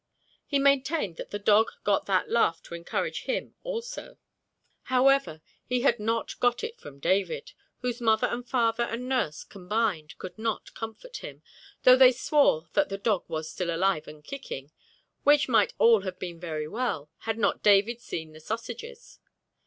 He maintained that the dog got that laugh to encourage him also. However, he had not got it from David, whose mother and father and nurse combined could not comfort him, though they swore that the dog was still alive and kicking, which might all have been very well had not David seen the sausages.